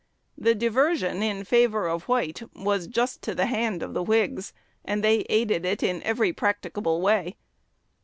The diversion in favor of White was just to the hand of the Whigs, and they aided it in every practicable way.